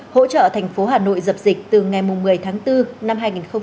hỗ trợ thành phố hà nội dập dịch từ ngày một mươi tháng bốn năm hai nghìn hai mươi